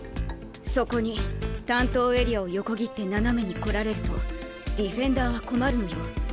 そこに担当エリアを横切って斜めに来られるとディフェンダーは困るのよ。